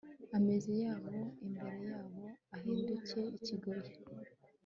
ameza yabo imbere yabo ahinduke ikigoyi